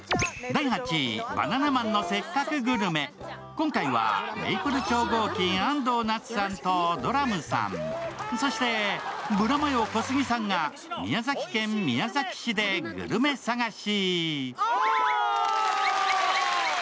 今回はメイプル超合金・安藤なつさんとドラムさん、そしてブラマヨ小杉さんが宮崎県宮崎市でグルメ探し。